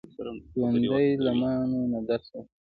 ژوندي له ماتو نه درس اخلي